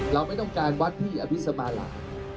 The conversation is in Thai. เราไม่ต้องการวัดที่อภิษมาลา